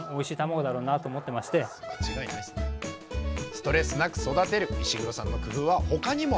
ストレスなく育てる石黒さんの工夫は他にもありました。